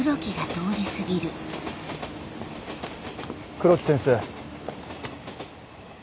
黒木先生。